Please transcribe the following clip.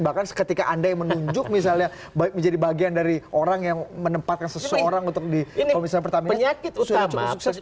bahkan ketika anda yang menunjuk misalnya menjadi bagian dari orang yang menempatkan seseorang untuk di komisaris pertamina sudah cukup sukses